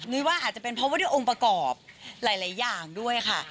ว่าอาจจะเป็นเพราะว่าด้วยองค์ประกอบหลายอย่างด้วยค่ะ